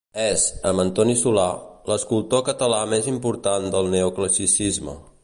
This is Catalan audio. És, amb Antoni Solà, l'escultor català més important del Neoclassicisme.